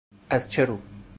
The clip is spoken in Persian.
ازچه رو